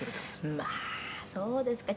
「まあそうですか」